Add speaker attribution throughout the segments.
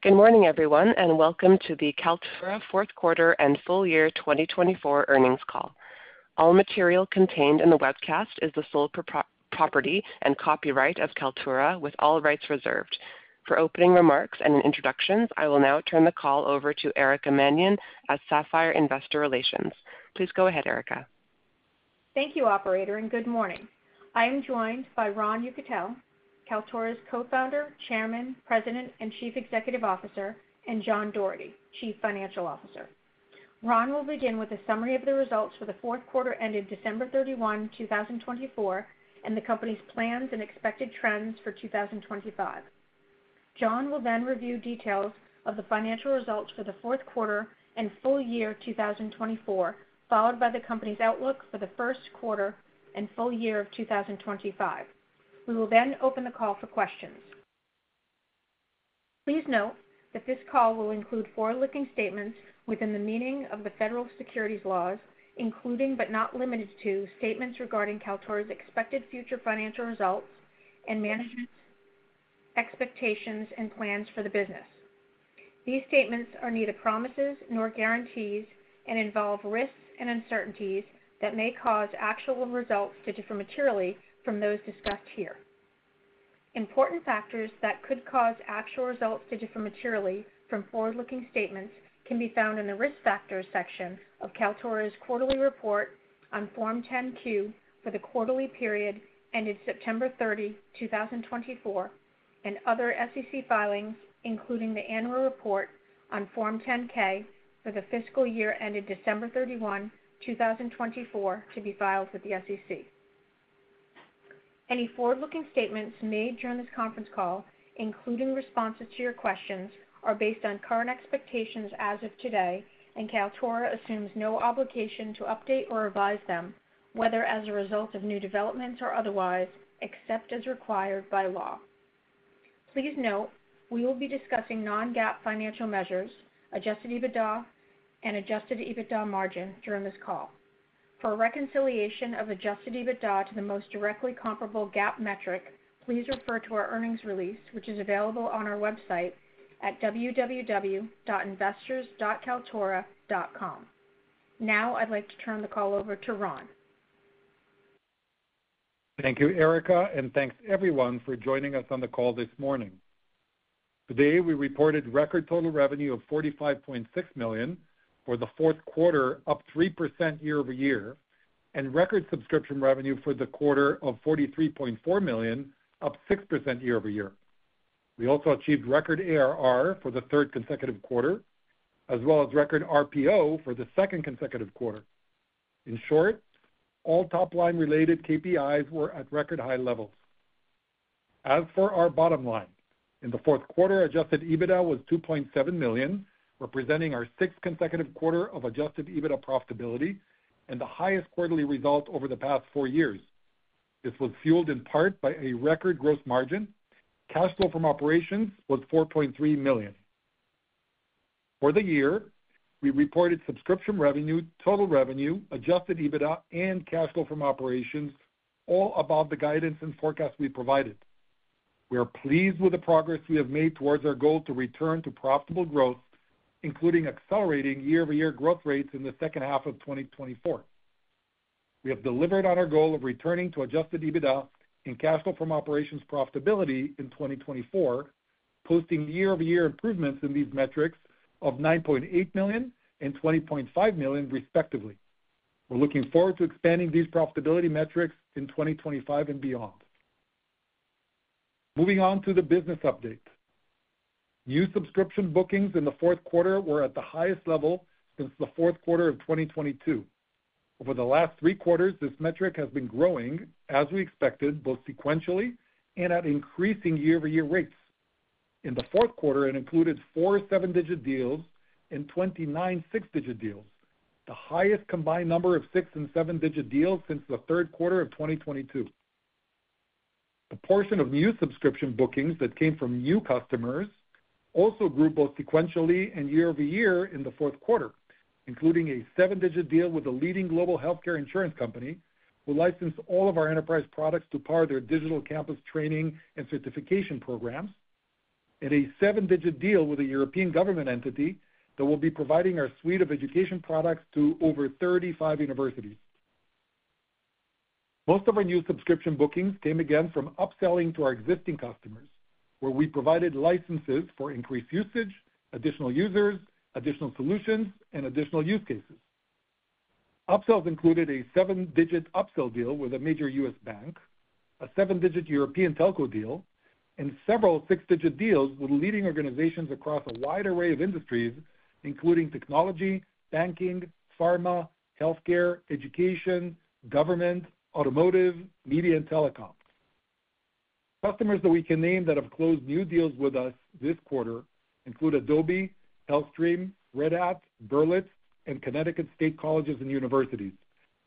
Speaker 1: Good morning, everyone, and welcome to the Kaltura Fourth Quarter And Full Year 2024 Earnings Call. All material contained in the webcast is the sole property and copyright of Kaltura, with all rights reserved. For opening remarks and introductions, I will now turn the call over to Erica Mannion at Sapphire Investor Relations. Please go ahead, Erica.
Speaker 2: Thank you, Operator, and good morning. I am joined by Ron Yekutiel, Kaltura's Co-founder, Chairman, President, and Chief Executive Officer, and John Doherty, Chief Financial Officer. Ron will begin with a summary of the results for the fourth quarter ended December 31, 2024, and the company's plans and expected trends for 2025. John will then review details of the financial results for the fourth quarter and full year 2024, followed by the company's outlook for the first quarter and full year of 2025. We will then open the call for questions. Please note that this call will include forward-looking statements within the meaning of the Federal Security laws, including but not limited to statements regarding Kaltura's expected future financial results and management expectations and plans for the business. These statements are neither promises nor guarantees and involve risks and uncertainties that may cause actual results to differ materially from those discussed here. Important factors that could cause actual results to differ materially from forward-looking statements can be found in the risk factors section of Kaltura's quarterly report on Form 10Q for the quarterly period ended September 30, 2024, and other SEC filings, including the annual report on Form 10K for the fiscal year ended December 31, 2024, to be filed with the SEC. Any forward-looking statements made during this conference call, including responses to your questions, are based on current expectations as of today, and Kaltura assumes no obligation to update or revise them, whether as a result of new developments or otherwise, except as required by law. Please note we will be discussing non-GAAP financial measures, adjusted EBITDA, and adjusted EBITDA margin during this call. For reconciliation of adjusted EBITDA to the most directly comparable GAAP metric, please refer to our earnings release, which is available on our website at www.investors.kaltura.com. Now I'd like to turn the call over to Ron.
Speaker 3: Thank you, Erica, and thanks everyone for joining us on the call this morning. Today we reported record total revenue of $45.6 million for the fourth quarter, up 3% year over year, and record subscription revenue for the quarter of $43.4 million, up 6% year over year. We also achieved record ARR for the third consecutive quarter, as well as record RPO for the second consecutive quarter. In short, all top-line related KPIs were at record high levels. As for our bottom line, in the fourth quarter, adjusted EBITDA was $2.7 million, representing our sixth consecutive quarter of adjusted EBITDA profitability and the highest quarterly result over the past four years. This was fueled in part by a record gross margin. Cash flow from operations was $4.3 million. For the year, we reported subscription revenue, total revenue, adjusted EBITDA, and cash flow from operations all above the guidance and forecast we provided. We are pleased with the progress we have made towards our goal to return to profitable growth, including accelerating year-over-year growth rates in the second half of 2024. We have delivered on our goal of returning to adjusted EBITDA and cash flow from operations profitability in 2024, posting year-over-year improvements in these metrics of $9.8 million and $20.5 million, respectively. We're looking forward to expanding these profitability metrics in 2025 and beyond. Moving on to the business update. New subscription bookings in the fourth quarter were at the highest level since the fourth quarter of 2022. Over the last three quarters, this metric has been growing, as we expected, both sequentially and at increasing year-over-year rates. In the fourth quarter, it included four seven-digit deals and 29 six-digit deals, the highest combined number of six- and seven-digit deals since the third quarter of 2022. The portion of new subscription bookings that came from new customers also grew both sequentially and year-over-year in the fourth quarter, including a seven-digit deal with a leading global healthcare insurance company who licensed all of our enterprise products to power their digital campus training and certification programs, and a seven-digit deal with a European government entity that will be providing our suite of education products to over 35 universities. Most of our new subscription bookings came again from upselling to our existing customers, where we provided licenses for increased usage, additional users, additional solutions, and additional use cases. Upsells included a seven-digit upsell deal with a major U.S. bank, a seven-digit European telco deal, and several six-digit deals with leading organizations across a wide array of industries, including technology, banking, pharma, healthcare, education, government, automotive, media, and telecom. Customers that we can name that have closed new deals with us this quarter include Adobe, Telestream, Red Hat, Berlitz, and Connecticut State Colleges and Universities.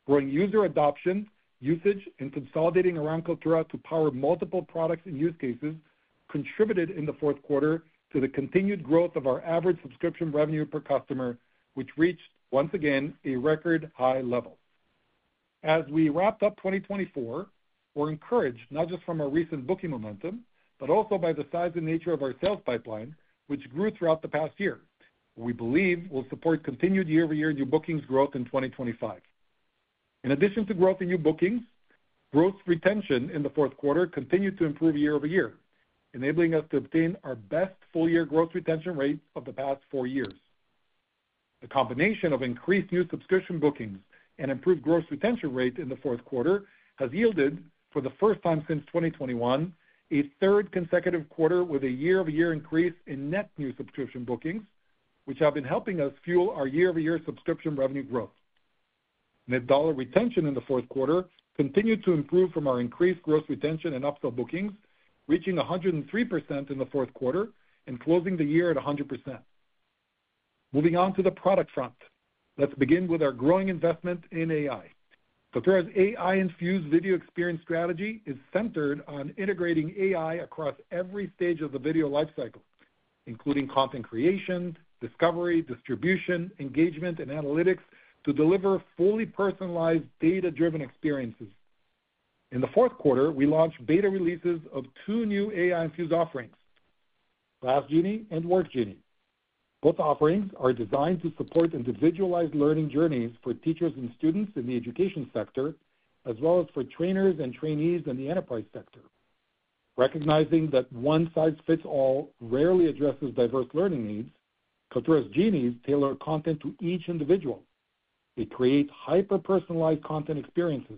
Speaker 3: Growing user adoption, usage, and consolidating around Kaltura to power multiple products and use cases contributed in the fourth quarter to the continued growth of our average subscription revenue per customer, which reached, once again, a record high level. As we wrapped up 2024, we're encouraged not just from our recent booking momentum, but also by the size and nature of our sales pipeline, which grew throughout the past year, and we believe will support continued year-over-year new bookings growth in 2025. In addition to growth in new bookings, gross retention in the fourth quarter continued to improve year-over-year, enabling us to obtain our best full-year gross retention rate of the past four years. The combination of increased new subscription bookings and improved gross retention rate in the fourth quarter has yielded, for the first time since 2021, a third consecutive quarter with a year-over-year increase in net new subscription bookings, which have been helping us fuel our year-over-year subscription revenue growth. Net dollar retention in the fourth quarter continued to improve from our increased gross retention and upsell bookings, reaching 103% in the fourth quarter and closing the year at 100%. Moving on to the product front, let's begin with our growing investment in AI. Kaltura's AI-infused video experience strategy is centered on integrating AI across every stage of the video lifecycle, including content creation, discovery, distribution, engagement, and analytics to deliver fully personalized, data-driven experiences. In the fourth quarter, we launched beta releases of two new AI-infused offerings, Class Genie and Work Genie. Both offerings are designed to support individualized learning journeys for teachers and students in the education sector, as well as for trainers and trainees in the enterprise sector. Recognizing that one-size-fits-all rarely addresses diverse learning needs, Kaltura's genies tailor content to each individual. They create hyper-personalized content experiences,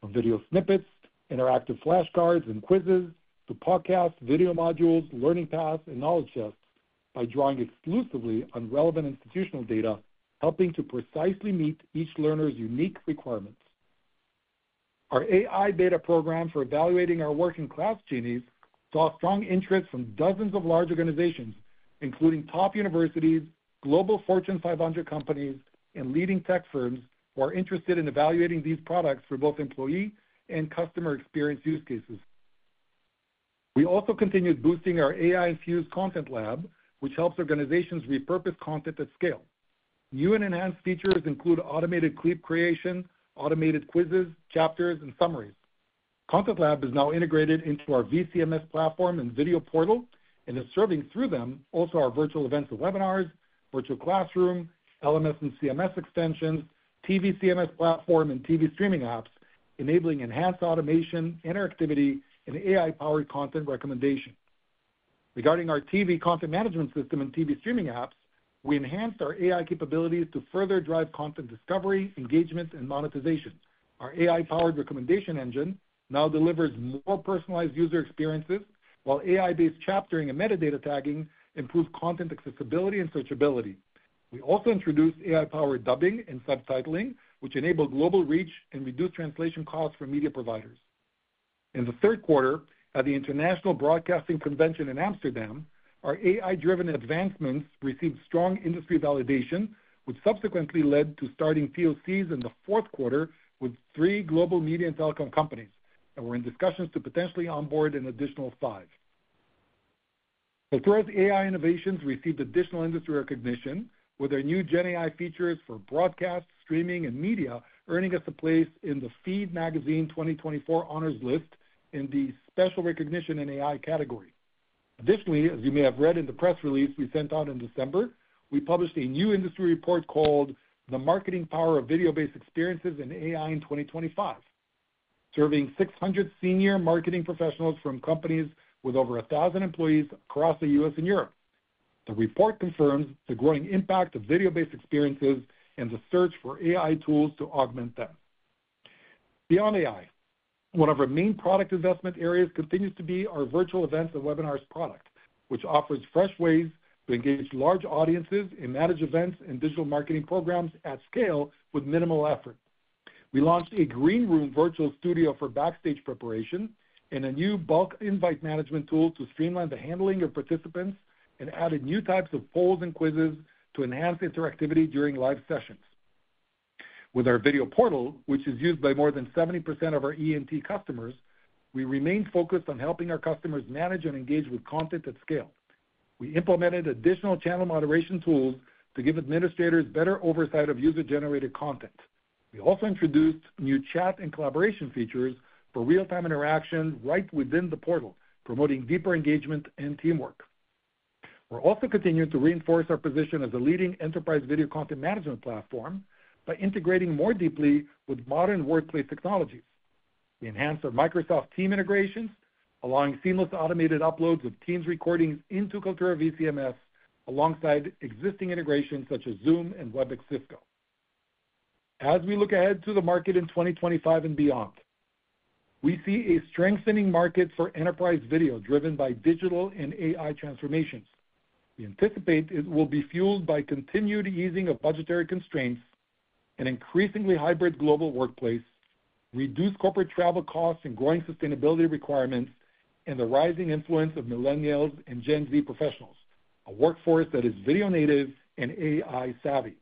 Speaker 3: from video snippets, interactive flashcards, and quizzes, to podcasts, video modules, learning paths, and knowledge chests, by drawing exclusively on relevant institutional data, helping to precisely meet each learner's unique requirements. Our AI beta program for evaluating our Work Genie and Class Genie saw strong interest from dozens of large organizations, including top universities, global Fortune 500 companies, and leading tech firms who are interested in evaluating these products for both employee and customer experience use cases. We also continued boosting our AI-infused Content Lab, which helps organizations repurpose content at scale. New and enhanced features include automated clip creation, automated quizzes, chapters, and summaries. Content Lab is now integrated into our vCMS platform and video portal, and is serving through them also our virtual events and webinars, virtual classroom, LMS and CMS extensions, TV CMS platform, and TV streaming apps, enabling enhanced automation, interactivity, and AI-powered content recommendation. Regarding our TV content management system and TV streaming apps, we enhanced our AI capabilities to further drive content discovery, engagement, and monetization. Our AI-powered recommendation engine now delivers more personalized user experiences, while AI-based chaptering and metadata tagging improve content accessibility and searchability. We also introduced AI-powered dubbing and subtitling, which enabled global reach and reduced translation costs for media providers. In the third quarter, at the International Broadcasting Convention in Amsterdam, our AI-driven advancements received strong industry validation, which subsequently led to starting POCs in the fourth quarter with three global media and telecom companies that were in discussions to potentially onboard an additional five. Kaltura's AI innovations received additional industry recognition with our new GenAI features for broadcast, streaming, and media, earning us a place in the Feed Magazine 2024 Honors List in the Special Recognition in AI category. Additionally, as you may have read in the press release we sent out in December, we published a new industry report called The Marketing Power of Video-Based Experiences in AI in 2025, surveying 600 senior marketing professionals from companies with over 1,000 employees across the U.S. and Europe. The report confirms the growing impact of video-based experiences and the search for AI tools to augment them. Beyond AI, one of our main product investment areas continues to be our virtual events and webinars product, which offers fresh ways to engage large audiences and manage events and digital marketing programs at scale with minimal effort. We launched a green room virtual studio for backstage preparation and a new bulk invite management tool to streamline the handling of participants and added new types of polls and quizzes to enhance interactivity during live sessions. With our video portal, which is used by more than 70% of our ENT customers, we remain focused on helping our customers manage and engage with content at scale. We implemented additional channel moderation tools to give administrators better oversight of user-generated content. We also introduced new chat and collaboration features for real-time interaction right within the portal, promoting deeper engagement and teamwork. We're also continuing to reinforce our position as a leading enterprise video content management platform by integrating more deeply with modern workplace technologies. We enhanced our Microsoft Teams integrations, allowing seamless automated uploads of Teams recordings into Kaltura vCMS alongside existing integrations such as Zoom and Webex. As we look ahead to the market in 2025 and beyond, we see a strengthening market for enterprise video driven by digital and AI transformations. We anticipate it will be fueled by continued easing of budgetary constraints, an increasingly hybrid global workplace, reduced corporate travel costs and growing sustainability requirements, and the rising influence of millennials and Gen Z professionals, a workforce that is video native and AI-savvy.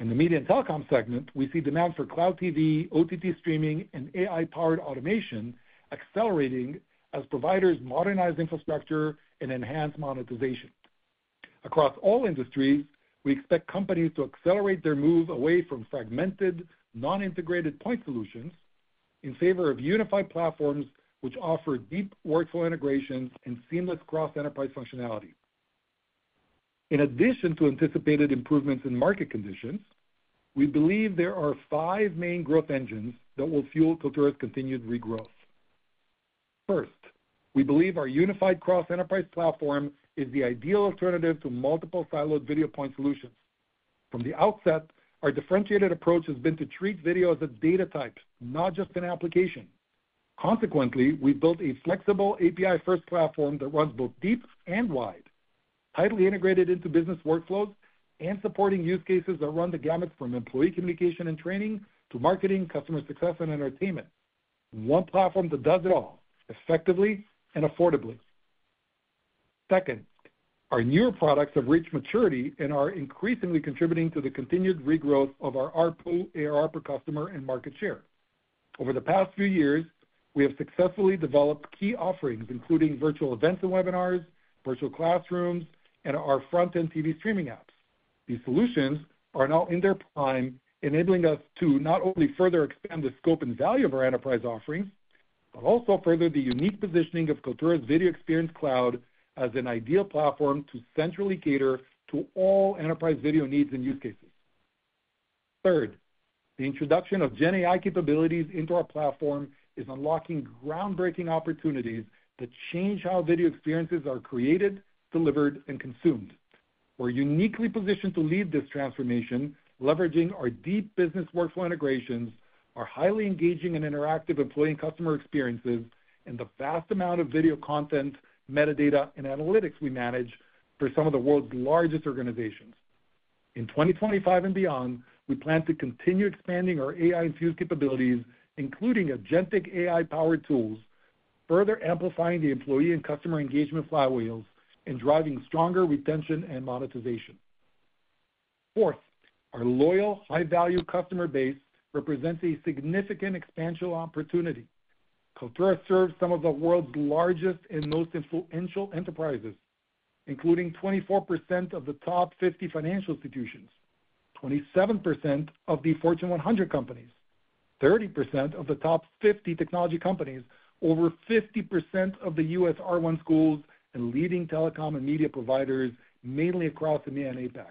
Speaker 3: In the media and telecom segment, we see demand for cloud TV, OTT streaming, and AI-powered automation accelerating as providers modernize infrastructure and enhance monetization. Across all industries, we expect companies to accelerate their move away from fragmented, non-integrated point solutions in favor of unified platforms which offer deep workflow integrations and seamless cross-enterprise functionality. In addition to anticipated improvements in market conditions, we believe there are five main growth engines that will fuel Kaltura's continued regrowth. First, we believe our unified cross-enterprise platform is the ideal alternative to multiple siloed video point solutions. From the outset, our differentiated approach has been to treat video as a data type, not just an application. Consequently, we've built a flexible API-first platform that runs both deep and wide, tightly integrated into business workflows and supporting use cases that run the gamut from employee communication and training to marketing, customer success, and entertainment. One platform that does it all effectively and affordably. Second, our newer products have reached maturity and are increasingly contributing to the continued regrowth of our ARPA customer and market share. Over the past few years, we have successfully developed key offerings, including virtual events and webinars, virtual classrooms, and our front-end TV streaming apps. These solutions are now in their prime, enabling us to not only further expand the scope and value of our enterprise offerings, but also further the unique positioning of Kaltura's video experience cloud as an ideal platform to centrally cater to all enterprise video needs and use cases. Third, the introduction of GenAI capabilities into our platform is unlocking groundbreaking opportunities that change how video experiences are created, delivered, and consumed. We're uniquely positioned to lead this transformation, leveraging our deep business workflow integrations, our highly engaging and interactive employee and customer experiences, and the vast amount of video content, metadata, and analytics we manage for some of the world's largest organizations. In 2025 and beyond, we plan to continue expanding our AI-infused capabilities, including agentic AI-powered tools, further amplifying the employee and customer engagement flywheels and driving stronger retention and monetization. Fourth, our loyal, high-value customer base represents a significant expansion opportunity. Kaltura serves some of the world's largest and most influential enterprises, including 24% of the top 50 financial institutions, 27% of the Fortune 100 companies, 30% of the top 50 technology companies, over 50% of the U.S. R1 schools, and leading telecom and media providers, mainly across the APAC.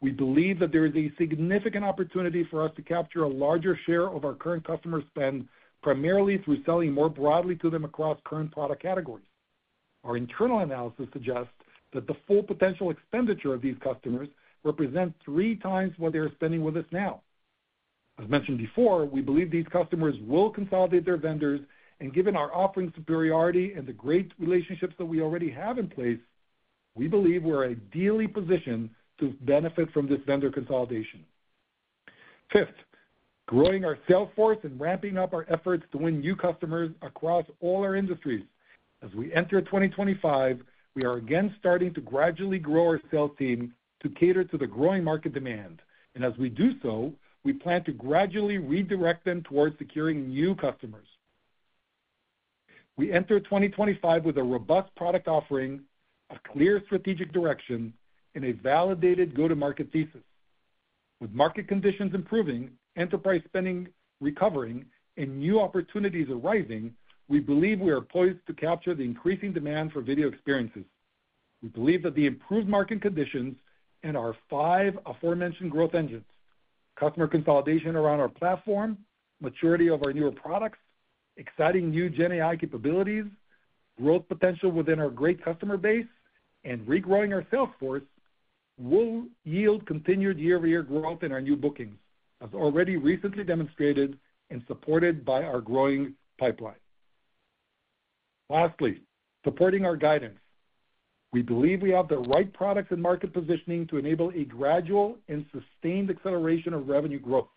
Speaker 3: We believe that there is a significant opportunity for us to capture a larger share of our current customer spend, primarily through selling more broadly to them across current product categories. Our internal analysis suggests that the full potential expenditure of these customers represents three times what they are spending with us now. As mentioned before, we believe these customers will consolidate their vendors, and given our offering superiority and the great relationships that we already have in place, we believe we're ideally positioned to benefit from this vendor consolidation. Fifth, growing our sales force and ramping up our efforts to win new customers across all our industries. As we enter 2025, we are again starting to gradually grow our sales team to cater to the growing market demand, and as we do so, we plan to gradually redirect them towards securing new customers. We enter 2025 with a robust product offering, a clear strategic direction, and a validated go-to-market thesis. With market conditions improving, enterprise spending recovering, and new opportunities arising, we believe we are poised to capture the increasing demand for video experiences. We believe that the improved market conditions and our five aforementioned growth engines—customer consolidation around our platform, maturity of our newer products, exciting new GenAI capabilities, growth potential within our great customer base, and regrowing our sales force—will yield continued year-over-year growth in our new bookings, as already recently demonstrated and supported by our growing pipeline. Lastly, supporting our guidance, we believe we have the right products and market positioning to enable a gradual and sustained acceleration of revenue growth.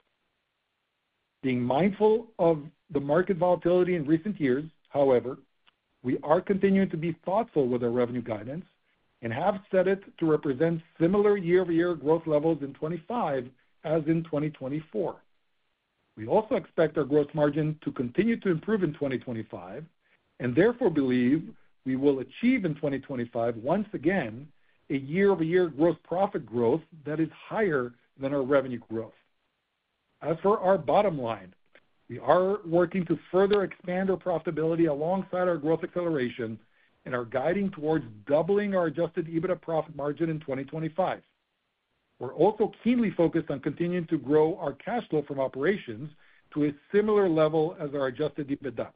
Speaker 3: Being mindful of the market volatility in recent years, however, we are continuing to be thoughtful with our revenue guidance and have set it to represent similar year-over-year growth levels in 2025 as in 2024. We also expect our gross margin to continue to improve in 2025 and therefore believe we will achieve in 2025 once again a year-over-year gross profit growth that is higher than our revenue growth. As for our bottom line, we are working to further expand our profitability alongside our growth acceleration and our guiding towards doubling our adjusted EBITDA profit margin in 2025. We're also keenly focused on continuing to grow our cash flow from operations to a similar level as our adjusted EBITDA.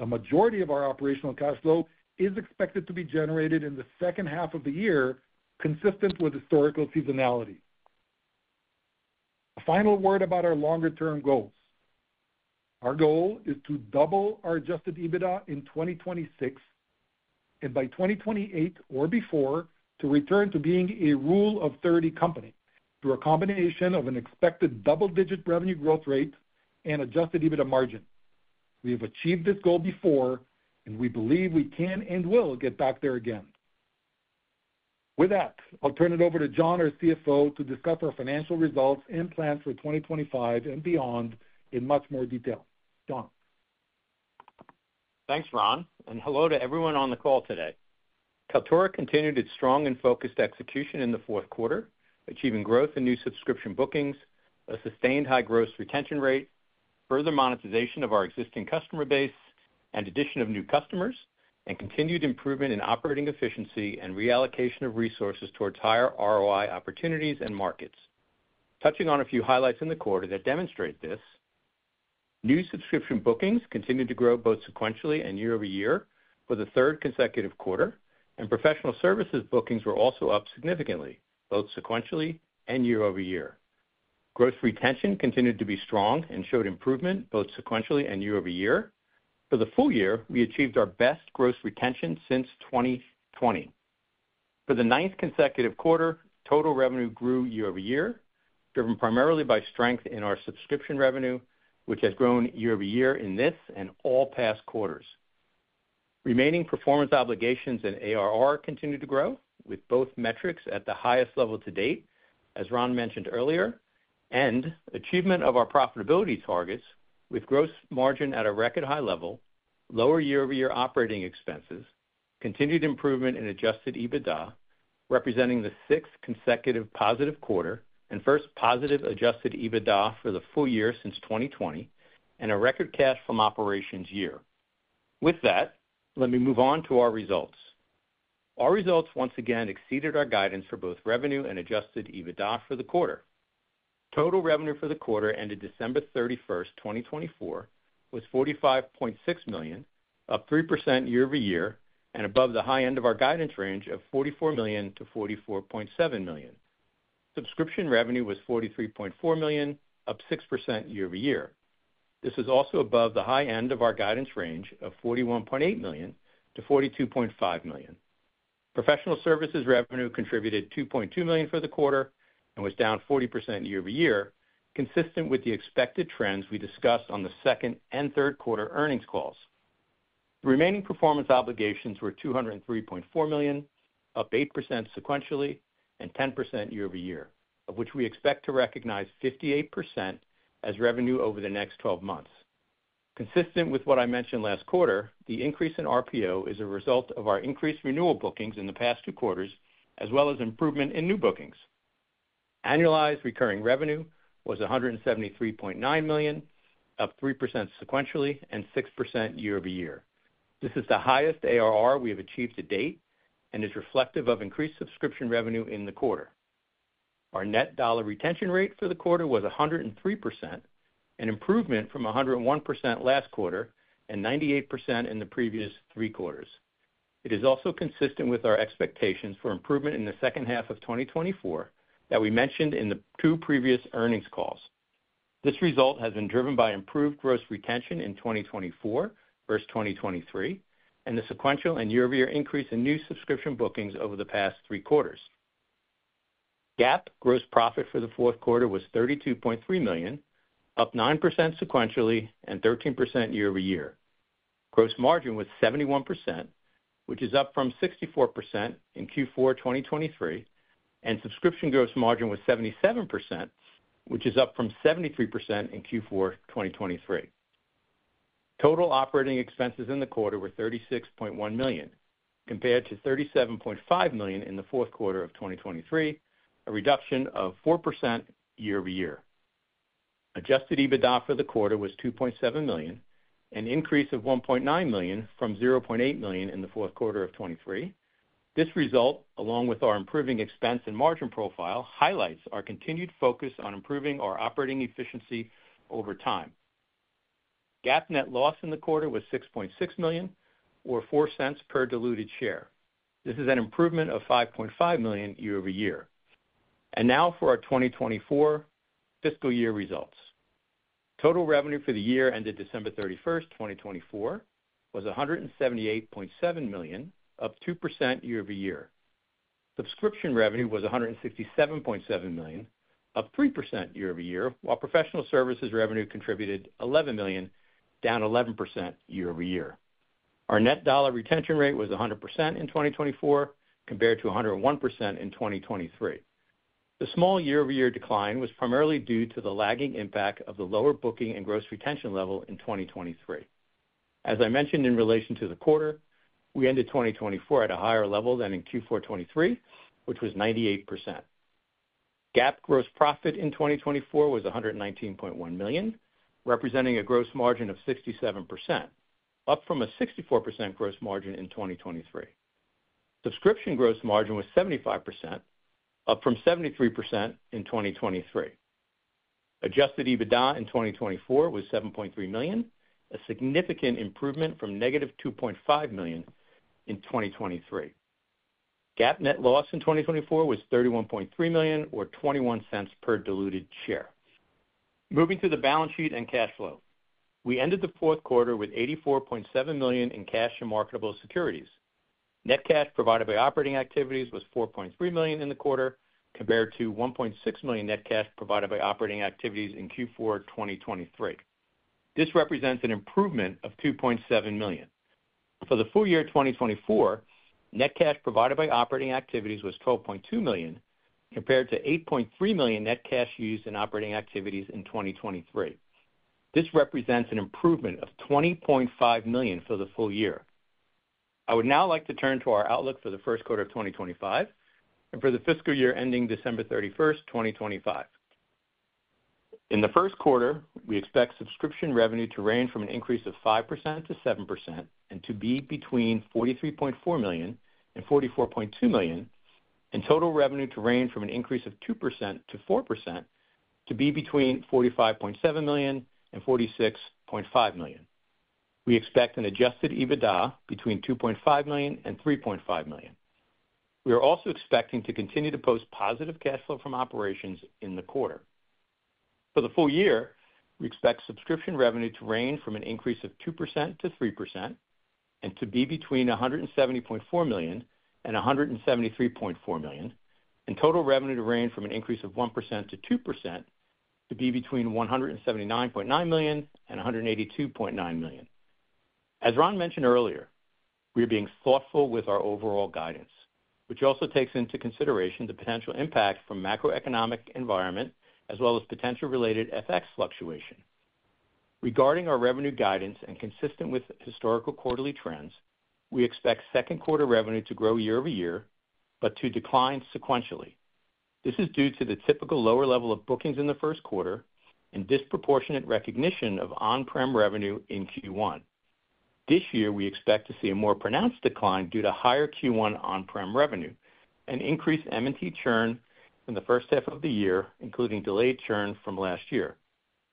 Speaker 3: The majority of our operational cash flow is expected to be generated in the second half of the year, consistent with historical seasonality. A final word about our longer-term goals. Our goal is to double our adjusted EBITDA in 2026 and by 2028 or before to return to being a rule of 30 company through a combination of an expected double-digit revenue growth rate and adjusted EBITDA margin. We have achieved this goal before, and we believe we can and will get back there again. With that, I'll turn it over to John, our CFO, to discuss our financial results and plans for 2025 and beyond in much more detail. John.
Speaker 4: Thanks, Ron, and hello to everyone on the call today. Kaltura continued its strong and focused execution in the fourth quarter, achieving growth in new subscription bookings, a sustained high gross retention rate, further monetization of our existing customer base, and addition of new customers, and continued improvement in operating efficiency and reallocation of resources towards higher ROI opportunities and markets. Touching on a few highlights in the quarter that demonstrate this, new subscription bookings continued to grow both sequentially and year-over-year for the third consecutive quarter, and professional services bookings were also up significantly, both sequentially and year-over-year. Gross retention continued to be strong and showed improvement both sequentially and year-over-year. For the full year, we achieved our best gross retention since 2020. For the ninth consecutive quarter, total revenue grew year-over-year, driven primarily by strength in our subscription revenue, which has grown year-over-year in this and all past quarters. Remaining performance obligations and ARR continued to grow, with both metrics at the highest level to date, as Ron mentioned earlier, and achievement of our profitability targets, with gross margin at a record high level, lower year-over-year operating expenses, continued improvement in adjusted EBITDA, representing the sixth consecutive positive quarter and first positive adjusted EBITDA for the full year since 2020, and a record cash from operations year. With that, let me move on to our results. Our results once again exceeded our guidance for both revenue and adjusted EBITDA for the quarter. Total revenue for the quarter ended December 31st, 2024, was $45.6 million, up 3% year-over-year, and above the high end of our guidance range of $44 million-$44.7 million. Subscription revenue was $43.4 million, up 6% year-over-year. This was also above the high end of our guidance range of $41.8 million-$42.5 million. Professional services revenue contributed $2.2 million for the quarter and was down 40% year-over-year, consistent with the expected trends we discussed on the second and third quarter earnings calls. The remaining performance obligations were $203.4 million, up 8% sequentially and 10% year-over-year, of which we expect to recognize 58% as revenue over the next 12 months. Consistent with what I mentioned last quarter, the increase in RPO is a result of our increased renewal bookings in the past two quarters, as well as improvement in new bookings. Annualized recurring revenue was $173.9 million, up 3% sequentially and 6% year-over-year. This is the highest ARR we have achieved to date and is reflective of increased subscription revenue in the quarter. Our net dollar retention rate for the quarter was 103%, an improvement from 101% last quarter and 98% in the previous three quarters. It is also consistent with our expectations for improvement in the second half of 2024 that we mentioned in the two previous earnings calls. This result has been driven by improved gross retention in 2024 versus 2023 and the sequential and year-over-year increase in new subscription bookings over the past three quarters. GAAP gross profit for the fourth quarter was $32.3 million, up 9% sequentially and 13% year-over-year. Gross margin was 71%, which is up from 64% in Q4 2023, and subscription gross margin was 77%, which is up from 73% in Q4 2023. Total operating expenses in the quarter were $36.1 million, compared to $37.5 million in the fourth quarter of 2023, a reduction of 4% year-over-year. Adjusted EBITDA for the quarter was $2.7 million, an increase of $1.9 million from $0.8 million in the fourth quarter of 2023. This result, along with our improving expense and margin profile, highlights our continued focus on improving our operating efficiency over time. GAAP net loss in the quarter was $6.6 million, or $0.04 per diluted share. This is an improvement of $5.5 million year-over-year. Now for our 2024 fiscal year results. Total revenue for the year ended December 31st, 2024, was $178.7 million, up 2% year-over-year. Subscription revenue was $167.7 million, up 3% year-over-year, while professional services revenue contributed $11 million, down 11% year-over-year. Our net dollar retention rate was 100% in 2024, compared to 101% in 2023. The small year-over-year decline was primarily due to the lagging impact of the lower booking and gross retention level in 2023. As I mentioned in relation to the quarter, we ended 2024 at a higher level than in Q4 2023, which was 98%. GAAP gross profit in 2024 was $119.1 million, representing a gross margin of 67%, up from a 64% gross margin in 2023. Subscription gross margin was 75%, up from 73% in 2023. Adjusted EBITDA in 2024 was $7.3 million, a significant improvement from -$2.5 million in 2023. GAAP net loss in 2024 was $31.3 million, or $0.21 per diluted share. Moving to the balance sheet and cash flow. We ended the fourth quarter with $84.7 million in cash and marketable securities. Net cash provided by operating activities was $4.3 million in the quarter, compared to $1.6 million net cash provided by operating activities in Q4 2023. This represents an improvement of $2.7 million. For the full year 2024, net cash provided by operating activities was $12.2 million, compared to $8.3 million net cash used in operating activities in 2023. This represents an improvement of $20.5 million for the full year. I would now like to turn to our outlook for the first quarter of 2025 and for the fiscal year ending December 31, 2025. In the first quarter, we expect subscription revenue to range from an increase of 5% to 7% and to be between $43.4 million and $44.2 million, and total revenue to range from an increase of 2% to 4% to be between $45.7 million and $46.5 million. We expect an adjusted EBITDA between $2.5 million and $3.5 million. We are also expecting to continue to post positive cash flow from operations in the quarter. For the full year, we expect subscription revenue to range from an increase of 2% to 3% and to be between $170.4 million and $173.4 million, and total revenue to range from an increase of 1% to 2% to be between $179.9 million and $182.9 million. As Ron mentioned earlier, we are being thoughtful with our overall guidance, which also takes into consideration the potential impact from macroeconomic environment as well as potential related FX fluctuation. Regarding our revenue guidance and consistent with historical quarterly trends, we expect second quarter revenue to grow year-over-year, but to decline sequentially. This is due to the typical lower level of bookings in the first quarter and disproportionate recognition of on-prem revenue in Q1. This year, we expect to see a more pronounced decline due to higher Q1 on-prem revenue and increased M&T churn in the first half of the year, including delayed churn from last year.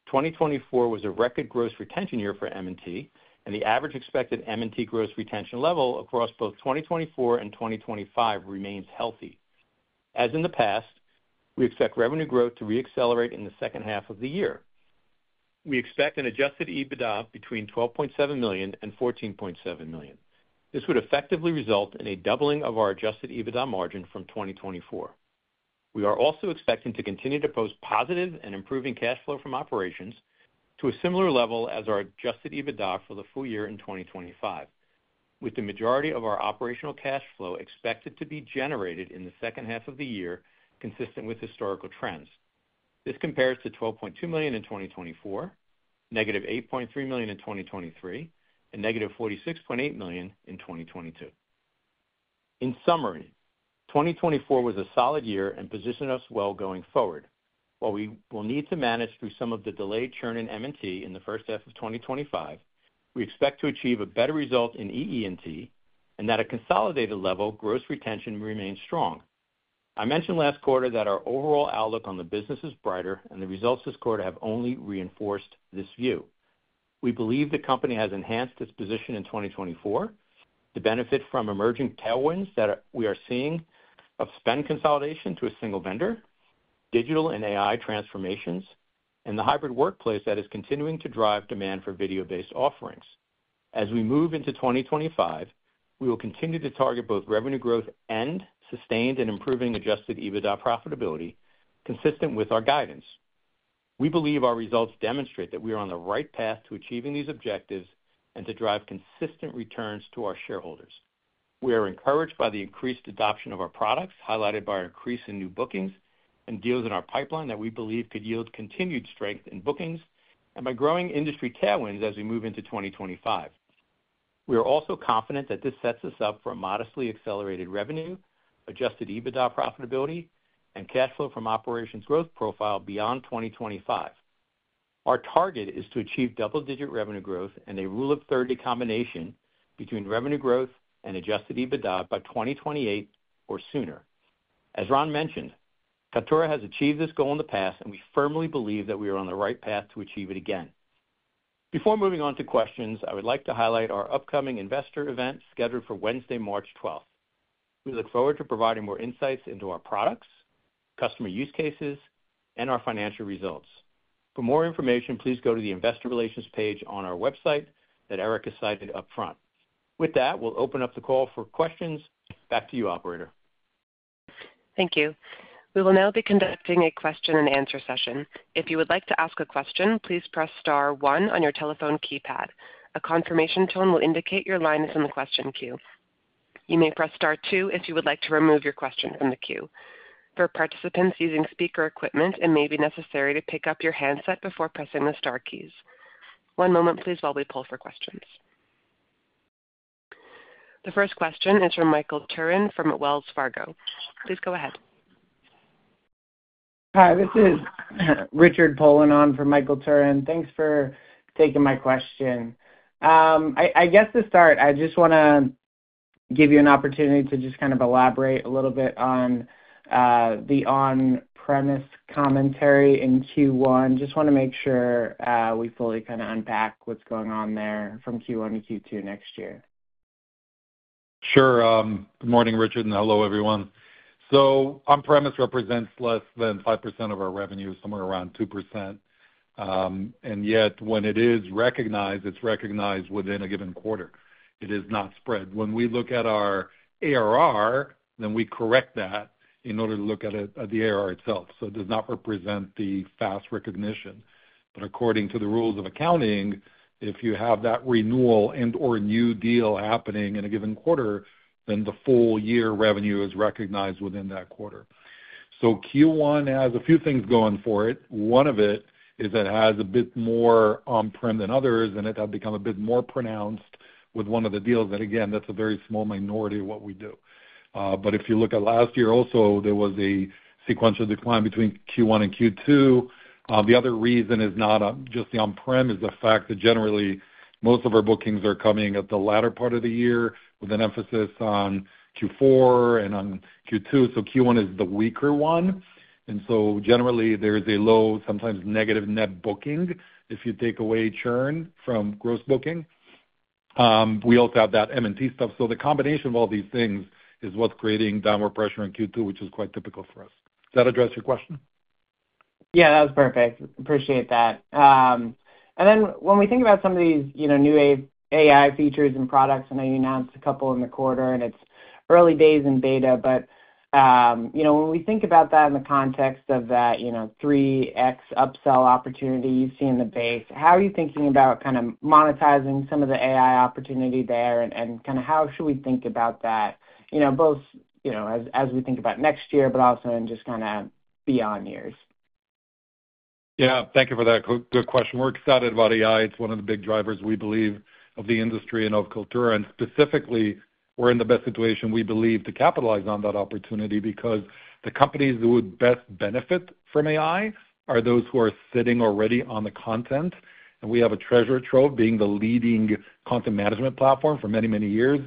Speaker 4: 2024 was a record gross retention year for M&T, and the average expected M&T gross retention level across both 2024 and 2025 remains healthy. As in the past, we expect revenue growth to re-accelerate in the second half of the year. We expect an adjusted EBITDA between $12.7 million and $14.7 million. This would effectively result in a doubling of our adjusted EBITDA margin from 2024. We are also expecting to continue to post positive and improving cash flow from operations to a similar level as our adjusted EBITDA for the full year in 2025, with the majority of our operational cash flow expected to be generated in the second half of the year, consistent with historical trends. This compares to $12.2 million in 2024, -$8.3 million in 2023, and -$46.8 million in 2022. In summary, 2024 was a solid year and positioned us well going forward. While we will need to manage through some of the delayed churn in M&T in the first half of 2025, we expect to achieve a better result in EE&T and that at a consolidated level gross retention remains strong. I mentioned last quarter that our overall outlook on the business is brighter, and the results this quarter have only reinforced this view. We believe the company has enhanced its position in 2024 to benefit from emerging tailwinds that we are seeing of spend consolidation to a single vendor, digital and AI transformations, and the hybrid workplace that is continuing to drive demand for video-based offerings. As we move into 2025, we will continue to target both revenue growth and sustained and improving adjusted EBITDA profitability, consistent with our guidance. We believe our results demonstrate that we are on the right path to achieving these objectives and to drive consistent returns to our shareholders. We are encouraged by the increased adoption of our products, highlighted by our increase in new bookings and deals in our pipeline that we believe could yield continued strength in bookings, and by growing industry tailwinds as we move into 2025. We are also confident that this sets us up for a modestly accelerated revenue, adjusted EBITDA profitability, and cash flow from operations growth profile beyond 2025. Our target is to achieve double-digit revenue growth and a rule of 30 combination between revenue growth and adjusted EBITDA by 2028 or sooner. As Ron mentioned, Kaltura has achieved this goal in the past, and we firmly believe that we are on the right path to achieve it again. Before moving on to questions, I would like to highlight our upcoming investor event scheduled for Wednesday, March 12th. We look forward to providing more insights into our products, customer use cases, and our financial results. For more information, please go to the investor relations page on our website that Erica has cited upfront. With that, we'll open up the call for questions. Back to you, Operator. Thank you.
Speaker 1: We will now be conducting a question-and-answer session. If you would like to ask a question, please press star one on your telephone keypad. A confirmation tone will indicate your line is in the question queue. You may press star two if you would like to remove your question from the queue. For participants using speaker equipment, it may be necessary to pick up your handset before pressing the star keys. One moment, please, while we pull for questions. The first question is from Michael Turin from Wells Fargo. Please go ahead.
Speaker 5: Hi, this is Richard Polino from Michael Turin. Thanks for taking my question. I guess to start, I just want to give you an opportunity to just kind of elaborate a little bit on the on-premise commentary in Q1. Just want to make sure we fully kind of unpack what's going on there from Q1 to Q2 next year?
Speaker 3: Sure. Good morning, Richard, and hello, everyone. On-premise represents less than 5% of our revenue, somewhere around 2%. Yet, when it is recognized, it's recognized within a given quarter. It is not spread. When we look at our ARR, then we correct that in order to look at the ARR itself. It does not represent the fast recognition. According to the rules of accounting, if you have that renewal and/or new deal happening in a given quarter, the full year revenue is recognized within that quarter. Q1 has a few things going for it. One of it is it has a bit more on-prem than others, and it has become a bit more pronounced with one of the deals that, again, that's a very small minority of what we do. If you look at last year also, there was a sequential decline between Q1 and Q2. The other reason is not just the on-prem, it is the fact that generally most of our bookings are coming at the latter part of the year with an emphasis on Q4 and on Q2. Q1 is the weaker one. Generally, there is a low, sometimes negative net booking if you take away churn from gross booking. We also have that M&T stuff. The combination of all these things is what's creating downward pressure in Q2, which is quite typical for us. Does that address your question?
Speaker 5: Yeah, that was perfect. Appreciate that. When we think about some of these new AI features and products, I know you announced a couple in the quarter, and it's early days in beta. When we think about that in the context of that 3X upsell opportunity you've seen in the base, how are you thinking about kind of monetizing some of the AI opportunity there? How should we think about that, both as we think about next year, but also in just beyond years?
Speaker 3: Yeah, thank you for that. Good question. We're excited about AI. It's one of the big drivers, we believe, of the industry and of Kaltura. Specifically, we're in the best situation, we believe, to capitalize on that opportunity because the companies that would best benefit from AI are those who are sitting already on the content. We have a treasure trove being the leading content management platform for many, many years.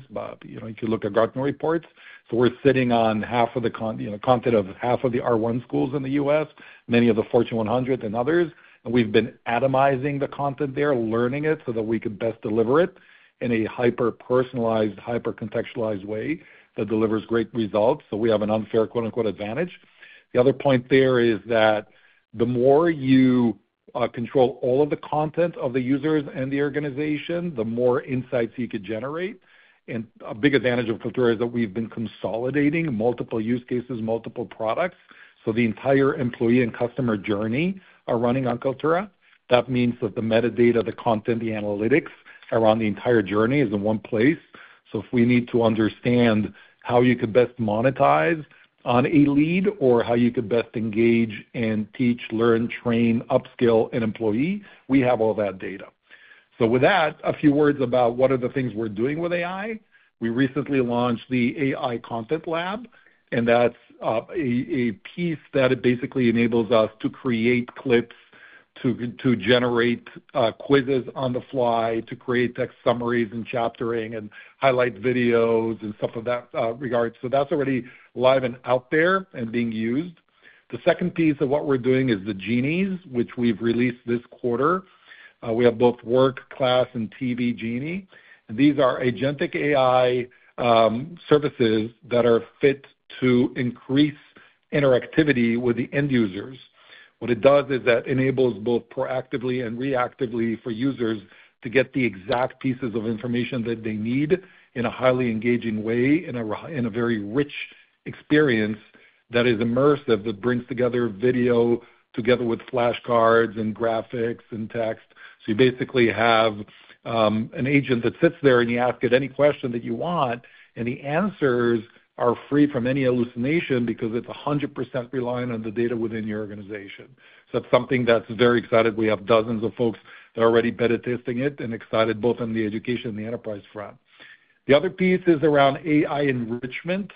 Speaker 3: You can look at Gartner reports. We are sitting on half of the content of half of the R1 schools in the U.S., many of the Fortune 100 and others. We have been atomizing the content there, learning it so that we could best deliver it in a hyper-personalized, hyper-contextualized way that delivers great results. We have an unfair advantage. The other point there is that the more you control all of the content of the users and the organization, the more insights you could generate. A big advantage of Kaltura is that we have been consolidating multiple use cases, multiple products. The entire employee and customer journey are running on Kaltura. That means that the metadata, the content, the analytics around the entire journey is in one place. If we need to understand how you could best monetize on a lead or how you could best engage and teach, learn, train, upskill an employee, we have all that data. With that, a few words about what are the things we're doing with AI. We recently launched the AI Content Lab, and that's a piece that basically enables us to create clips, to generate quizzes on the fly, to create text summaries and chaptering, and highlight videos and stuff of that regard. That's already live and out there and being used. The second piece of what we're doing is the Genies, which we've released this quarter. We have both Work, Class, and TV Genie. These are agentic AI services that are fit to increase interactivity with the end users. What it does is that it enables both proactively and reactively for users to get the exact pieces of information that they need in a highly engaging way, in a very rich experience that is immersive, that brings together video together with flashcards and graphics and text. You basically have an agent that sits there, and you ask it any question that you want, and the answers are free from any hallucination because it's 100% reliant on the data within your organization. That's something that's very exciting. We have dozens of folks that are already beta testing it and excited both on the education and the enterprise front. The other piece is around AI enrichment.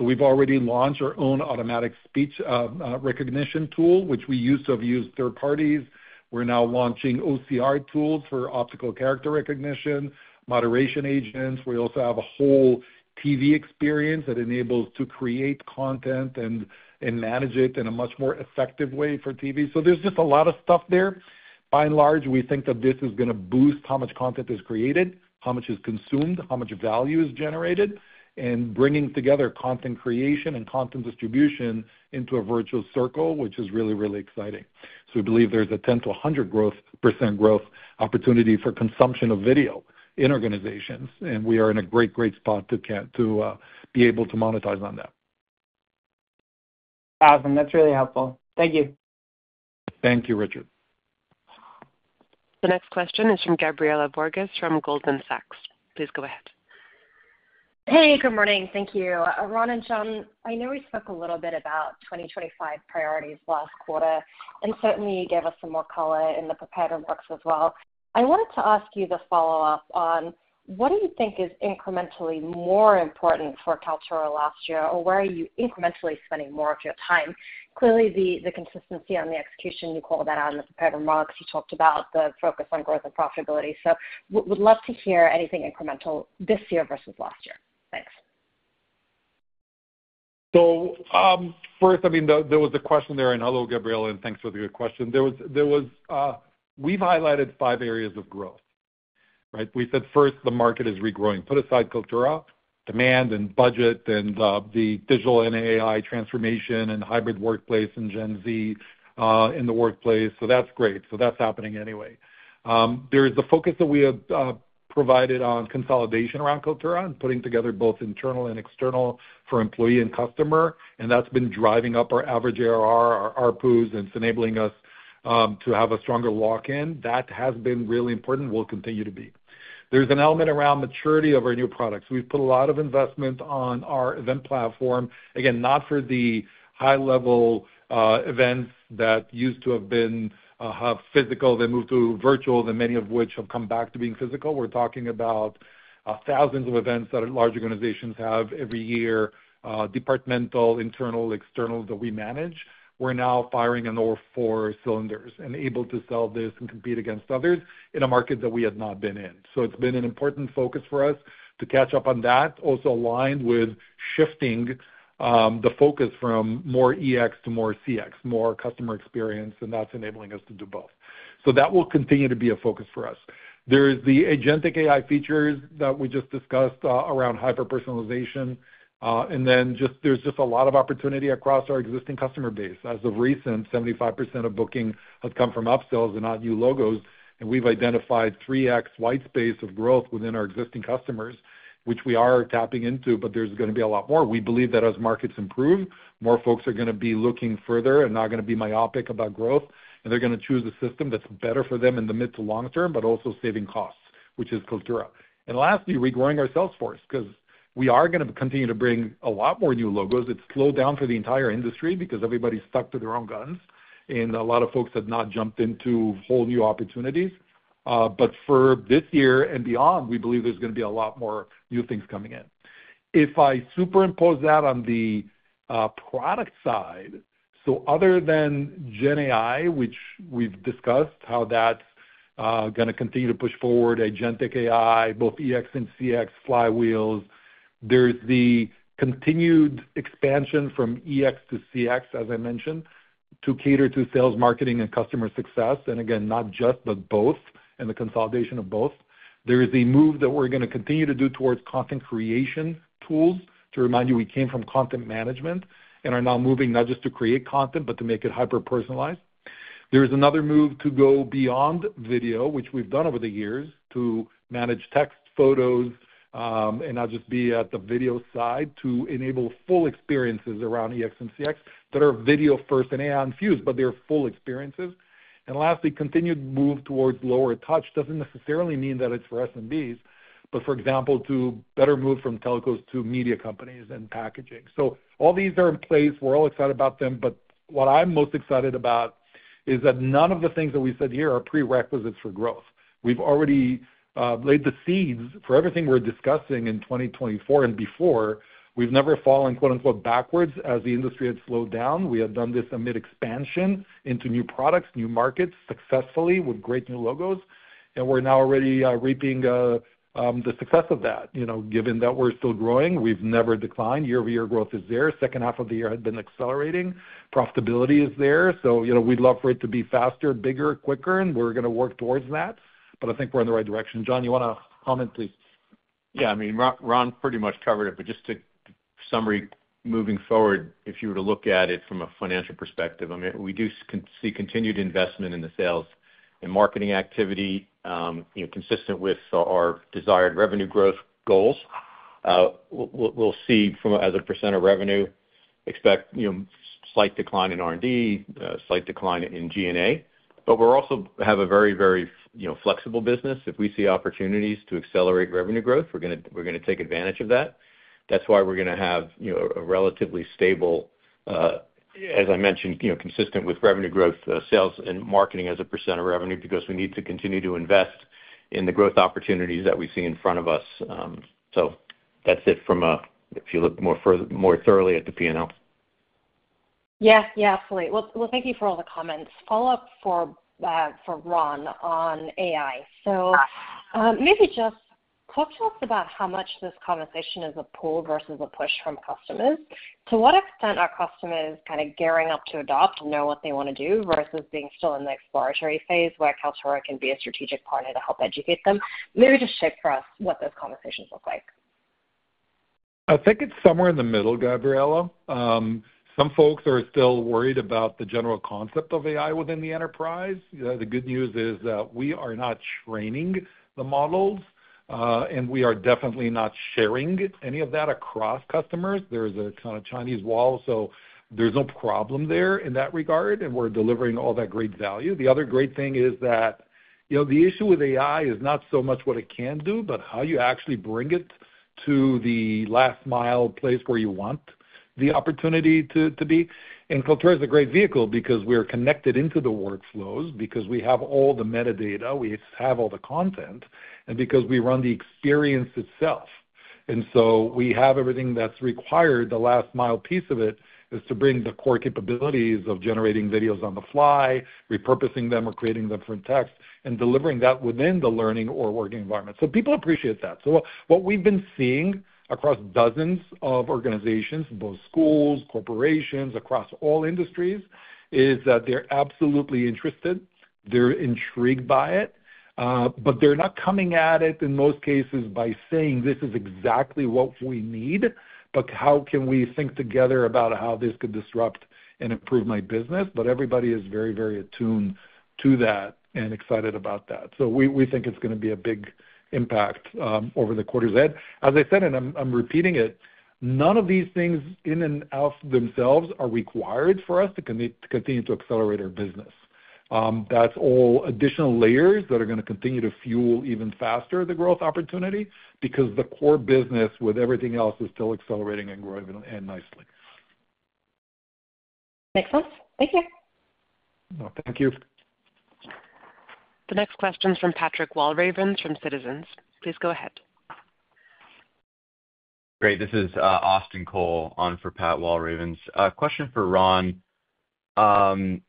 Speaker 3: We've already launched our own automatic speech recognition tool, which we used to have used third parties. We're now launching OCR tools for optical character recognition, moderation agents. We also have a whole TV experience that enables us to create content and manage it in a much more effective way for TV. There is just a lot of stuff there. By and large, we think that this is going to boost how much content is created, how much is consumed, how much value is generated, and bringing together content creation and content distribution into a virtual circle, which is really, really exciting. We believe there is a 10%-100% growth opportunity for consumption of video in organizations, and we are in a great, great spot to be able to monetize on that.
Speaker 5: Awesome. That is really helpful. Thank you.
Speaker 3: Thank you, Richard.
Speaker 1: The next question is from Gabriela Borges from Goldman Sachs. Please go ahead.
Speaker 6: Hey, good morning. Thank you. Ron and John, I know we spoke a little bit about 2025 priorities last quarter and certainly gave us some more color in the prepared remarks as well. I wanted to ask you the follow-up on what do you think is incrementally more important for Kaltura last year, or where are you incrementally spending more of your time? Clearly, the consistency on the execution, you called that out in the prepared remarks. You talked about the focus on growth and profitability. Would love to hear anything incremental this year versus last year. Thanks.
Speaker 3: First, I mean, there was a question there, and hello, Gabriela, and thanks for the good question. We've highlighted five areas of growth. We said first, the market is regrowing. Put aside Kaltura, demand and budget and the digital and AI transformation and hybrid workplace and Gen Z in the workplace. That's great. That is happening anyway. There is the focus that we have provided on consolidation around Kaltura and putting together both internal and external for employee and customer. That has been driving up our average ARR, our RPUs, and it is enabling us to have a stronger lock-in. That has been really important and will continue to be. There is an element around maturity of our new products. We have put a lot of investment on our event platform. Again, not for the high-level events that used to have been physical. They moved to virtual, and many of which have come back to being physical. We are talking about thousands of events that large organizations have every year, departmental, internal, external that we manage. We are now firing on all four cylinders and able to sell this and compete against others in a market that we had not been in. It has been an important focus for us to catch up on that, also aligned with shifting the focus from more EX to more CX, more customer experience, and that is enabling us to do both. That will continue to be a focus for us. There are the agentic AI features that we just discussed around hyper-personalization. Then there is just a lot of opportunity across our existing customer base. As of recent, 75% of booking has come from upsells and not new logos. We have identified 3x white space of growth within our existing customers, which we are tapping into, but there is going to be a lot more. We believe that as markets improve, more folks are going to be looking further and not going to be myopic about growth. They're going to choose a system that's better for them in the mid to long term, but also saving costs, which is Kaltura. Lastly, regrowing our sales force because we are going to continue to bring a lot more new logos. It's slowed down for the entire industry because everybody's stuck to their own guns, and a lot of folks have not jumped into whole new opportunities. For this year and beyond, we believe there's going to be a lot more new things coming in. If I superimpose that on the product side, other than GenAI, which we've discussed how that's going to continue to push forward, agentic AI, both EX and CX, flywheels, there's the continued expansion from EX to CX, as I mentioned, to cater to sales, marketing, and customer success. Again, not just, but both, and the consolidation of both. There is a move that we're going to continue to do towards content creation tools. To remind you, we came from content management and are now moving not just to create content, but to make it hyper-personalized. There is another move to go beyond video, which we've done over the years to manage text, photos, and not just be at the video side to enable full experiences around EX and CX that are video first and AI infused, but they're full experiences. Lastly, continued move towards lower touch doesn't necessarily mean that it's for SMBs, but for example, to better move from telcos to media companies and packaging. All these are in place. We're all excited about them. What I'm most excited about is that none of the things that we said here are prerequisites for growth. We've already laid the seeds for everything we're discussing in 2024 and before. We've never fallen backwards as the industry had slowed down. We have done this amid expansion into new products, new markets successfully with great new logos. We're now already reaping the success of that. Given that we're still growing, we've never declined. Year-over-year growth is there. Second half of the year has been accelerating. Profitability is there. We'd love for it to be faster, bigger, quicker, and we're going to work towards that. I think we're in the right direction. John, you want to comment, please?
Speaker 4: Yeah, I mean, Ron pretty much covered it, but just to summary, moving forward, if you were to look at it from a financial perspective, I mean, we do see continued investment in the sales and marketing activity consistent with our desired revenue growth goals. will see as a percent of revenue, expect slight decline in R&D, slight decline in G&A. We also have a very, very flexible business. If we see opportunities to accelerate revenue growth, we are going to take advantage of that. That is why we are going to have a relatively stable, as I mentioned, consistent with revenue growth, sales and marketing as a percent of revenue because we need to continue to invest in the growth opportunities that we see in front of us. That is it from a, if you look more thoroughly at the P&L.
Speaker 6: Yeah, yeah, absolutely. Thank you for all the comments. Follow-up for Ron on AI. Maybe just talk to us about how much this conversation is a pull versus a push from customers. To what extent are customers kind of gearing up to adopt and know what they want to do versus being still in the exploratory phase where Kaltura can be a strategic partner to help educate them? Maybe just shape for us what those conversations look like.
Speaker 3: I think it's somewhere in the middle, Gabriela. Some folks are still worried about the general concept of AI within the enterprise. The good news is that we are not training the models, and we are definitely not sharing any of that across customers. There is a kind of Chinese wall, so there's no problem there in that regard, and we're delivering all that great value. The other great thing is that the issue with AI is not so much what it can do, but how you actually bring it to the last mile place where you want the opportunity to be. Kaltura is a great vehicle because we are connected into the workflows because we have all the metadata, we have all the content, and because we run the experience itself. We have everything that's required. The last mile piece of it is to bring the core capabilities of generating videos on the fly, repurposing them or creating them from text, and delivering that within the learning or working environment. People appreciate that. What we've been seeing across dozens of organizations, both schools, corporations, across all industries, is that they're absolutely interested. They're intrigued by it, but they're not coming at it in most cases by saying, "This is exactly what we need, but how can we think together about how this could disrupt and improve my business?" Everybody is very, very attuned to that and excited about that. We think it's going to be a big impact over the quarter's head. As I said, and I'm repeating it, none of these things in and of themselves are required for us to continue to accelerate our business. That's all additional layers that are going to continue to fuel even faster the growth opportunity because the core business with everything else is still accelerating and growing nicely.
Speaker 6: Makes sense. Thank you.
Speaker 3: Thank you.
Speaker 1: The next question is from Patrick Walravens from Citizens. Please go ahead.
Speaker 7: Great. This is Austin Cole on for Pat Walravens. Question for Ron and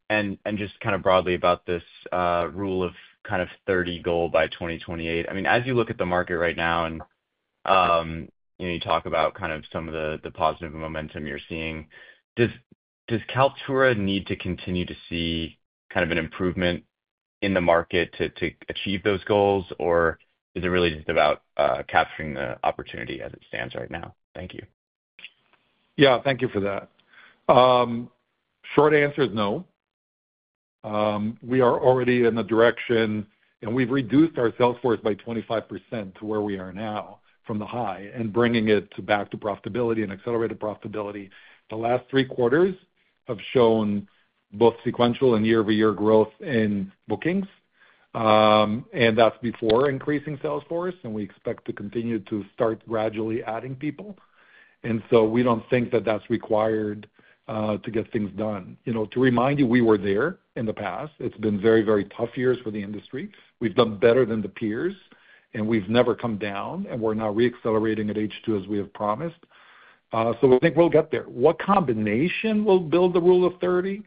Speaker 7: just kind of broadly about this rule of kind of 30 goal by 2028. I mean, as you look at the market right now and you talk about kind of some of the positive momentum you're seeing, does Kaltura need to continue to see kind of an improvement in the market to achieve those goals, or is it really just about capturing the opportunity as it stands right now? Thank you.
Speaker 3: Yeah, thank you for that. Short answer is no. We are already in the direction, and we've reduced our sales force by 25% to where we are now from the high and bringing it back to profitability and accelerated profitability. The last three quarters have shown both sequential and year-over-year growth in bookings. That's before increasing sales force, and we expect to continue to start gradually adding people. We don't think that that's required to get things done. To remind you, we were there in the past. It's been very, very tough years for the industry. We've done better than the peers, and we've never come down, and we're now re-accelerating at H2 as we have promised. We think we'll get there. What combination will build the rule of 30?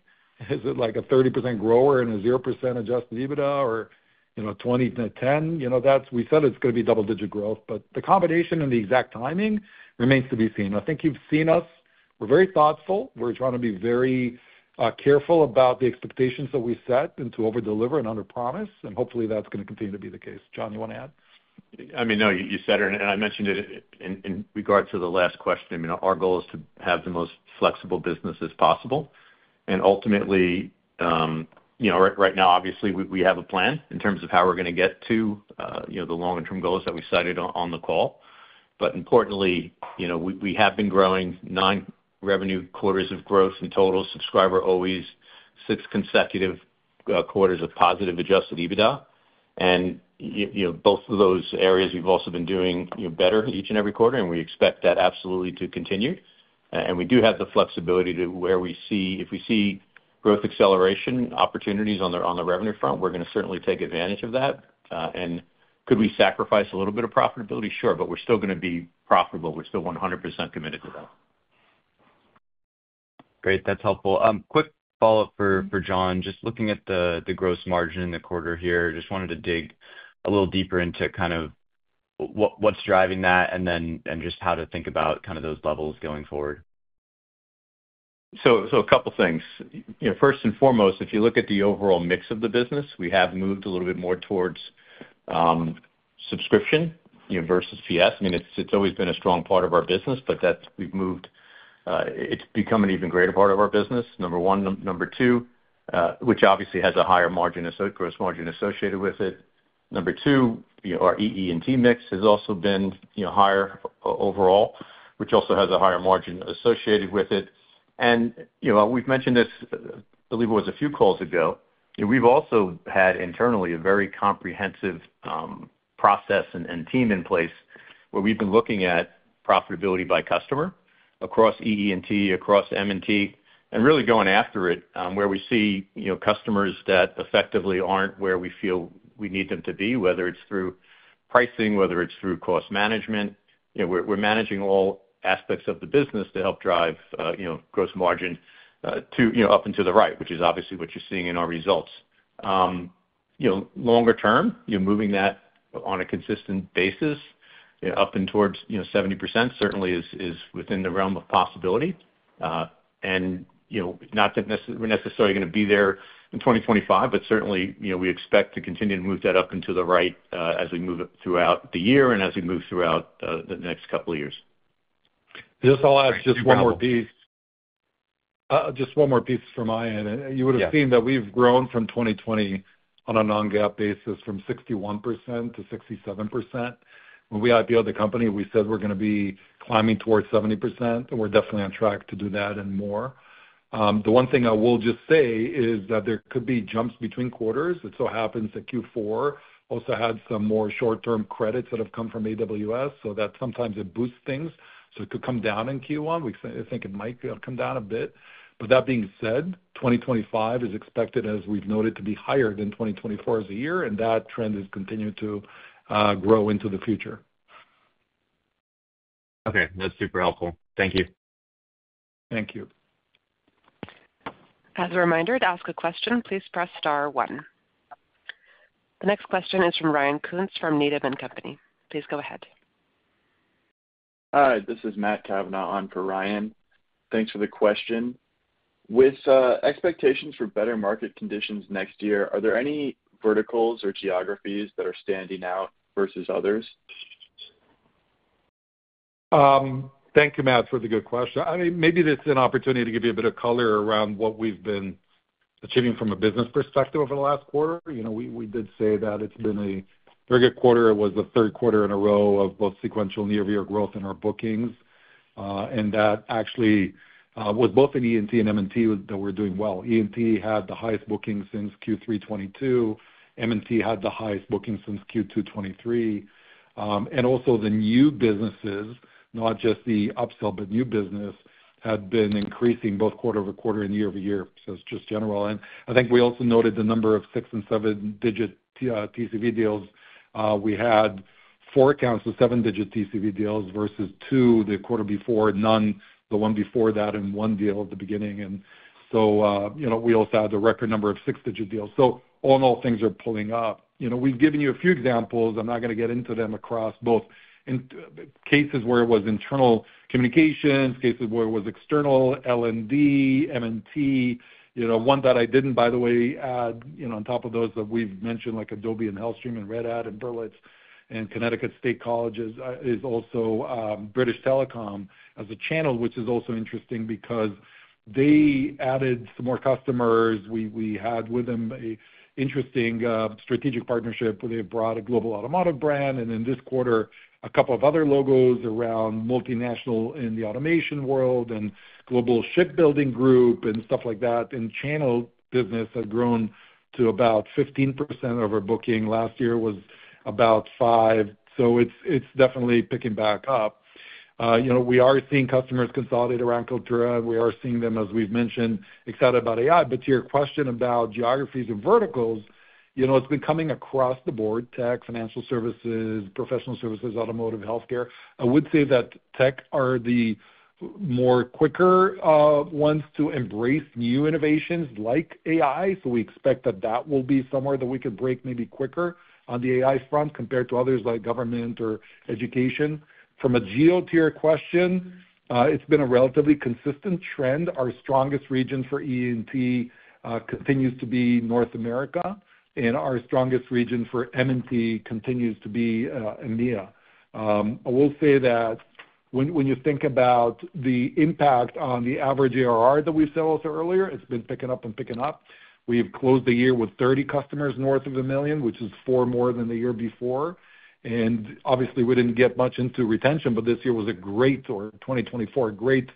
Speaker 3: Is it like a 30% grower and a 0% adjusted EBITDA or 20-10? We said it's going to be double-digit growth, but the combination and the exact timing remains to be seen. I think you've seen us. We're very thoughtful. We're trying to be very careful about the expectations that we set and to overdeliver and underpromise. Hopefully, that's going to continue to be the case. John, you want to add?
Speaker 4: I mean, no, you said it, and I mentioned it in regards to the last question. I mean, our goal is to have the most flexible business as possible. Ultimately, right now, obviously, we have a plan in terms of how we're going to get to the longer-term goals that we cited on the call. Importantly, we have been growing nine revenue quarters of growth in total, subscriber always six consecutive quarters of positive adjusted EBITDA. Both of those areas, we've also been doing better each and every quarter, and we expect that absolutely to continue. We do have the flexibility to where we see if we see growth acceleration opportunities on the revenue front, we're going to certainly take advantage of that. Could we sacrifice a little bit of profitability? Sure, but we're still going to be profitable. We're still 100% committed to that.
Speaker 7: Great. That's helpful. Quick follow-up for John. Just looking at the gross margin in the quarter here, just wanted to dig a little deeper into kind of what's driving that and just how to think about kind of those levels going forward.
Speaker 4: A couple of things. First and foremost, if you look at the overall mix of the business, we have moved a little bit more towards subscription versus PS. I mean, it's always been a strong part of our business, but we've moved. It's become an even greater part of our business, number one. Number two, which obviously has a higher margin gross margin associated with it. Number two, our EE and T mix has also been higher overall, which also has a higher margin associated with it. We've mentioned this, I believe it was a few calls ago. We've also had internally a very comprehensive process and team in place where we've been looking at profitability by customer across EE and T, across M&T, and really going after it where we see customers that effectively aren't where we feel we need them to be, whether it's through pricing, whether it's through cost management. We're managing all aspects of the business to help drive gross margin up and to the right, which is obviously what you're seeing in our results. Longer term, moving that on a consistent basis up and towards 70% certainly is within the realm of possibility. Not that we're necessarily going to be there in 2025, but certainly we expect to continue to move that up and to the right as we move throughout the year and as we move throughout the next couple of years.
Speaker 3: I'll add just one more piece. Just one more piece from my end. You would have seen that we've grown from 2020 on a non-GAAP basis from 61% to 67%. When we IPOed the company, we said we're going to be climbing towards 70%, and we're definitely on track to do that and more. The one thing I will just say is that there could be jumps between quarters. It so happens that Q4 also had some more short-term credits that have come from AWS, so that sometimes it boosts things. It could come down in Q1. I think it might come down a bit. That being said, 2025 is expected, as we've noted, to be higher than 2024 as a year, and that trend is continuing to grow into the future.
Speaker 7: Okay. That's super helpful. Thank you.
Speaker 4: Thank you.
Speaker 1: As a reminder to ask a question, please press star one. The next question is from Ryan Koontz from Needham & Company. Please go ahead.
Speaker 8: Hi, this is Matt Kavanagh on for Ryan. Thanks for the question. With expectations for better market conditions next year, are there any verticals or geographies that are standing out versus others?
Speaker 3: Thank you, Matt, for the good question. I mean, maybe it's an opportunity to give you a bit of color around what we've been achieving from a business perspective over the last quarter. We did say that it's been a very good quarter. It was the third quarter in a row of both sequential and year-over-year growth in our bookings. That actually was both in E&T and M&T that we're doing well. E&T had the highest bookings since Q3 2022. M&T had the highest bookings since Q2 2023. Also, the new businesses, not just the upsell, but new business had been increasing both quarter over quarter and year over year. It is just general. I think we also noted the number of six- and seven-digit TCV deals. We had four accounts of seven-digit TCV deals versus two the quarter before, none the one before that, and one deal at the beginning. We also had the record number of six-digit deals. All in all, things are pulling up. We have given you a few examples. I am not going to get into them across both cases where it was internal communications, cases where it was external L&D, M&T. One that I didn't, by the way, add on top of those that we've mentioned, like Adobe and HealthStream and Red Hat and Berlitz and Connecticut State Colleges and Universities, is also British Telecom as a channel, which is also interesting because they added some more customers. We had with them an interesting strategic partnership where they brought a global automotive brand. In this quarter, a couple of other logos around multinational in the automation world and global shipbuilding group and stuff like that. Channel business has grown to about 15% of our booking. Last year was about 5%. It is definitely picking back up. We are seeing customers consolidate around Kaltura, and we are seeing them, as we've mentioned, excited about AI. To your question about geographies and verticals, it's been coming across the board: tech, financial services, professional services, automotive, healthcare. I would say that tech are the more quicker ones to embrace new innovations like AI. We expect that that will be somewhere that we can break maybe quicker on the AI front compared to others like government or education. From a geo tier question, it's been a relatively consistent trend. Our strongest region for E&T continues to be North America, and our strongest region for M&T continues to be EMEA. I will say that when you think about the impact on the average ARR that we saw also earlier, it's been picking up and picking up. We've closed the year with 30 customers north of a million, which is four more than the year before. Obviously, we didn't get much into retention, but this year was a great or 2024, a great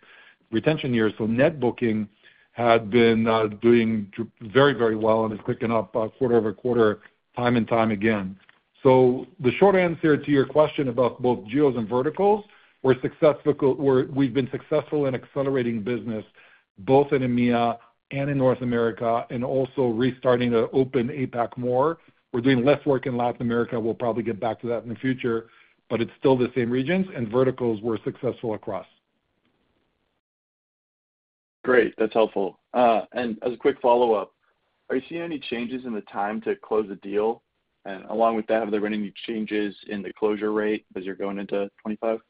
Speaker 3: retention year. Net booking had been doing very, very well and is picking up quarter over quarter time and time again. The short answer to your question about both geos and verticals, we've been successful in accelerating business both in EMEA and in North America and also restarting to open APAC more. We're doing less work in Latin America. We'll probably get back to that in the future, but it's still the same regions. And verticals were successful across.
Speaker 8: Great. That's helpful. As a quick follow-up, are you seeing any changes in the time to close a deal? Along with that, have there been any changes in the closure rate as you're going into 2025?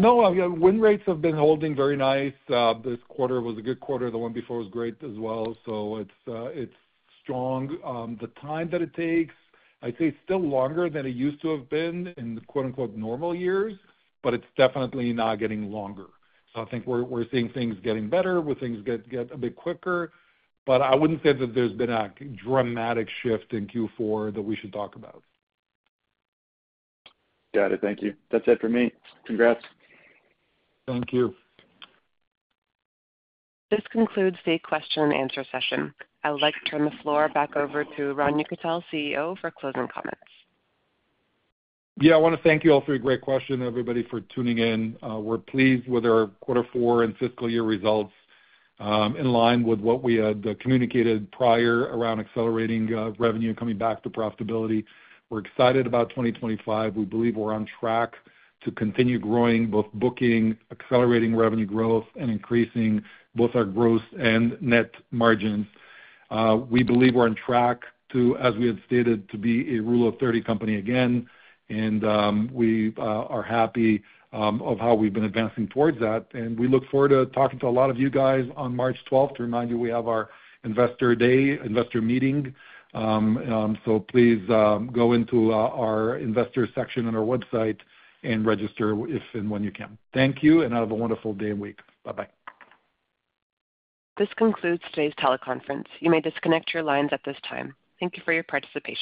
Speaker 3: No. Win rates have been holding very nice. This quarter was a good quarter. The one before was great as well. It's strong. The time that it takes, I'd say it's still longer than it used to have been in the "normal" years, but it's definitely not getting longer. I think we're seeing things getting better where things get a bit quicker. I wouldn't say that there's been a dramatic shift in Q4 that we should talk about.
Speaker 8: Got it. Thank you. That's it for me. Congrats.
Speaker 3: Thank you.
Speaker 1: This concludes the question-and-answer session. I would like to turn the floor back over to Ron Yekutiel, CEO, for closing comments.
Speaker 3: Yeah. I want to thank you all for your great question, everybody, for tuning in. We're pleased with our quarter four and fiscal year results in line with what we had communicated prior around accelerating revenue and coming back to profitability. We're excited about 2025. We believe we're on track to continue growing both booking, accelerating revenue growth, and increasing both our gross and net margins. We believe we're on track to, as we had stated, to be a rule of 30 company again. We are happy of how we've been advancing towards that. We look forward to talking to a lot of you guys on March 12th. To remind you, we have our Investor Day investor meeting. Please go into our investor section on our website and register if and when you can. Thank you, and have a wonderful day and week. Bye-bye. This concludes today's teleconference. You may disconnect your lines at this time. Thank you for your participation.